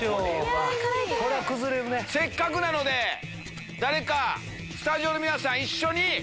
せっかくなので誰かスタジオの皆さん一緒に。